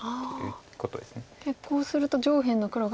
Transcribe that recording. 決行すると上辺の黒が。